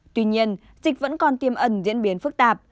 tuy nhiên dịch vẫn còn tiêm ẩn diễn biến phức tạp